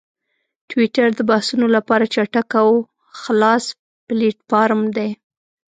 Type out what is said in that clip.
ټویټر د بحثونو لپاره چټک او خلاص پلیټفارم دی.